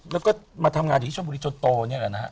แล้วก็มาทำงานอยู่ที่ชนบุรีจนโตนี่แหละนะฮะ